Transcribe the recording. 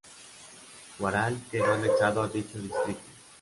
Huaral quedó anexado a dicho distrito.